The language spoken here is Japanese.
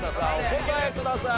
お答えください。